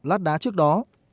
lát đá trước đó